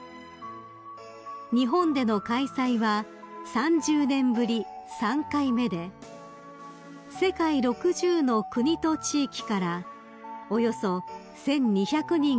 ［日本での開催は３０年ぶり３回目で世界６０の国と地域からおよそ１，２００人が参加しました］